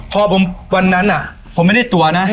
พอผมวันนั้นผมไม่ได้ตัวนะ